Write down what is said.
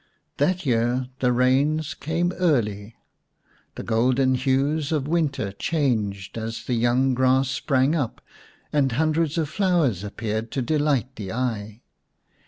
That year the rains came early. The golden hues of winter changed as the young grass sprang up, and hundreds of flowers appeared to delight the eye.